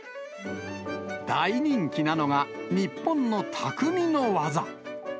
大人気なのが、日本のたくみの技。